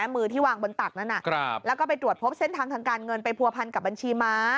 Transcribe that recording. มือที่วางบนตักนั้นแล้วก็ไปตรวจพบเส้นทางทางการเงินไปผัวพันกับบัญชีม้า